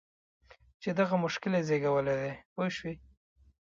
چې دغه مشکل یې زېږولی دی پوه شوې!.